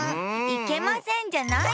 いけませんじゃないよ！